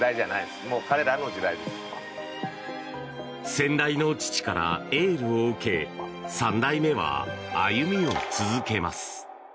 先代の父からエールを受け３代目は歩みを続けます。